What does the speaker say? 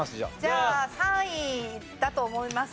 じゃあ３位だと思います。